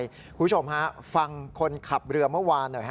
คุณผู้ชมฮะฟังคนขับเรือเมื่อวานหน่อย